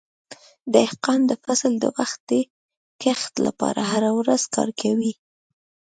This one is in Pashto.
دهقان د فصل د وختي کښت لپاره هره ورځ کار کوي.